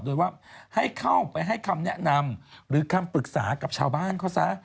โดยว่าให้เข้าไปให้คำแนะนำหรือคำปรึกษากับชาวบ้านเขาซะ